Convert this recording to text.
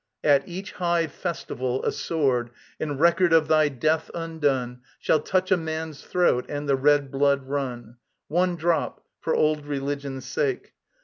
At each high festival, A sword, in record of thy death undone, Shall touch a man's throat, and the red blood run One drop, for old religion's sake.